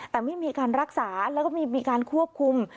แต่ไม่มีการรักษาแล้วก็มีการควบคุม